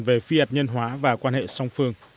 về phi hạt nhân hóa và quan hệ song phương